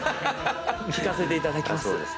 聞かせていただきます。